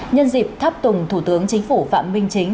nhân dịp tháp tùng thủ tướng chính phủ phạm minh chính